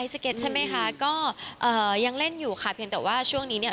สเก็ตใช่ไหมคะก็เอ่อยังเล่นอยู่ค่ะเพียงแต่ว่าช่วงนี้เนี่ย